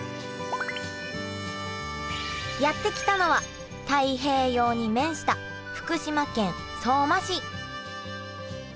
やって来たのは太平洋に面した福島県相馬市。